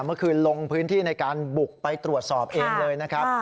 เมื่อคืนลงพื้นที่ในการบุกไปตรวจสอบเองเลยนะครับ